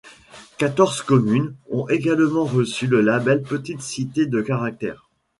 Quatorze communes ont également reçu le label Petites cités de caractère.